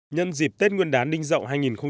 nhân dịp tết nguyên đán đinh dậu hai nghìn một mươi bảy